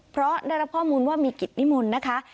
เพราะได้รับข้อมูลว่ามีกิจนิมนต์นะคะ